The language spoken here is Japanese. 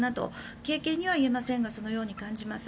軽々には言えませんがそのように感じます。